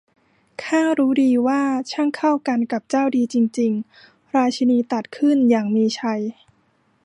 'ข้ารู้ดีว่า ช่างเข้ากันกับเจ้าดีจริง ๆ !' ราชินีตรัสขึ้นอย่างมีชัย